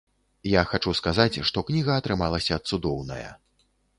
Я хачу сказаць, што кніга атрымалася цудоўная.